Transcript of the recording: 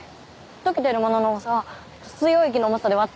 溶けてるものの重さを水溶液の重さで割って。